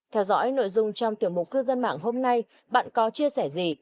theo dõi nội dung trong tiểu mục cư dân mạng hôm nay bạn có chia sẻ gì